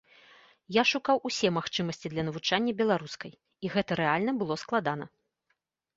Я шукаў усе магчымасці для навучання беларускай, і гэта рэальна было складана.